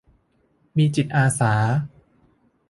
มีจิตอาสา